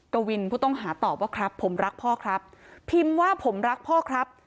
กวินผู้ต้องหาตอบว่าครับผมรักพ่อครับพิมพ์ว่าผมรักพ่อครับ